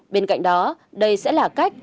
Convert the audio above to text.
bên cạnh đó đây sẽ là cách